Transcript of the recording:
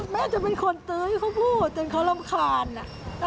แม่จะเป็นคนตื้อให้เขาพูดจนเขารำคาญ